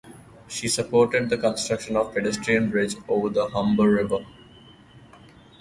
She supported the construction of a pedestrian bridge over the Humber River.